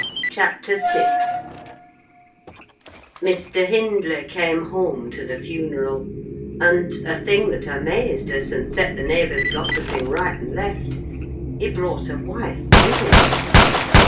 CHAPTER VI Mr. Hindley came home to the funeral; and—a thing that amazed us, and set the neighbours gossiping right and left—he brought a wife with him.